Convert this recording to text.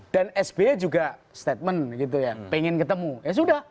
dan sby juga statement gitu ya pengen ketemu ya sudah